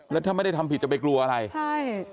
แล้วถ้าไม่ได้ทำผิดจะไปกลัวอะไรใช่